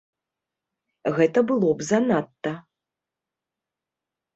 Гэта было б занадта.